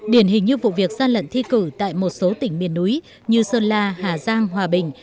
điển hình như vụ việc gian lận thi cử tại một số tỉnh miền núi như sơn la hà giang hòa bình